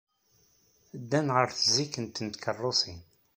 Ddan ɣer tzikkent n tkeṛṛusin.